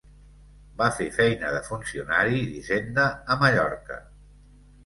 Va fer feina de funcionari d'hisenda a Mallorca.